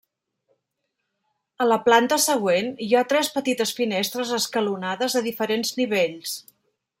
A la planta següent hi ha tres petites finestres escalonades a diferents nivells.